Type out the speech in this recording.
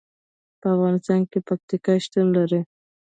په افغانستان کې پکتیکا شتون لري.